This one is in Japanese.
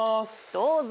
どうぞ。